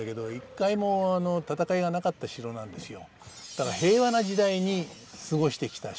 だから平和な時代に過ごしてきた城。